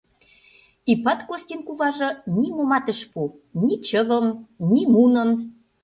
Ипат Костин куваже нимомат ыш пу: ни чывым, ни муным...